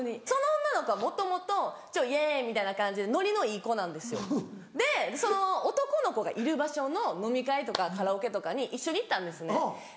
その女の子はもともとちょっとイエイみたいな感じでノリのいい子なんですよで男の子がいる場所の飲み会とかカラオケとかに一緒に行ったんですね。